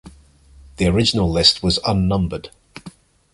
The original list was unnumbered.